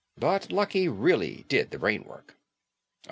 But Lucky really did the brainwork."